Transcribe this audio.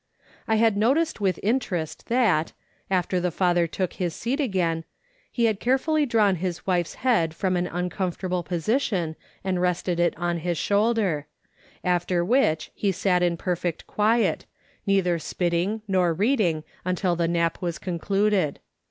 I had noticed with interest that, after the father took his seat again, he had care fully drawn his wife's head from an uncomfortable position, and rested it on his shoulder; after which he sat in perfect quiet, neither spitting nor reading until the nap was concluded.